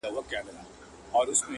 • تا ښخ کړئ د سړو په خوا کي سپی دی..